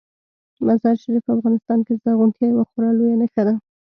مزارشریف په افغانستان کې د زرغونتیا یوه خورا لویه نښه ده.